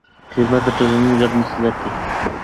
خدمت د ټولنې ګډ مسوولیت دی.